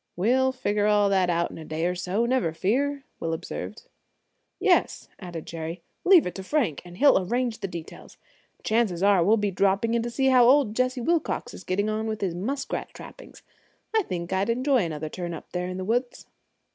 "We'll figure all that out in a day or so, never fear," Will observed. "Yes," added Jerry, "leave it to Frank, and he'll arrange the details. Chances are we'll be dropping in to see how old Jesse Wilcox is getting on with his muskrat trapping. I think I'd enjoy another turn up there in the woods."